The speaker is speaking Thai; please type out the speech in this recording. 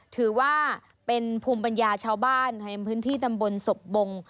ถือว่าเป็นภูมิปัญญาชาวบ้านในพื้นที่ตำบลศพบง